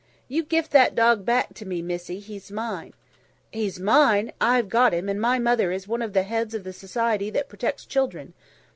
"You gif that dog back to me, missie, he's mine." "He's mine. I've got him, and my mother is one of the heads of the Society that protects children."